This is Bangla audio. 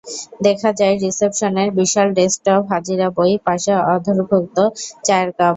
দেখা যায় রিসেপশনের বিশাল ডেস্কটপ, হাজিরা বই, পাশে অর্ধভুক্ত চায়ের কাপ।